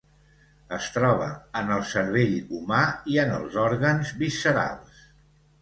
Es troba en el cervell humà i en els òrgans viscerals.